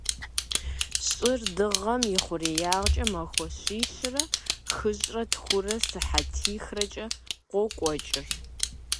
Щӏыр Дыгъэм и хъуреягъкӏэ махуэ щищрэ хыщӏрэ тхурэ сыхьэтихрэкӏэ къокӏуэкӏыр.